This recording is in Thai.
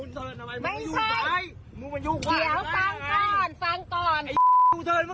คุณมาซ้ายไง